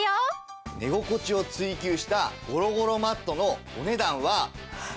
寝心地を追求したごろごろマットのお値段は。